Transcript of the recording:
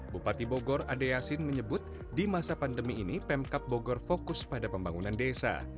bupati bogor ade yasin menyebut di masa pandemi ini pemkap bogor fokus pada pembangunan desa